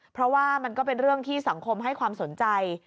เพราะว่ามันก็เป็นเรื่องที่สังคมให้ความสนใจ